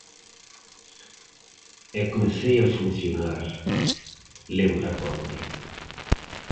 E comecei a funcionar, lembra Conde.